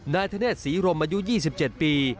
นายธเนศศรีรมอายุ๒๗ปี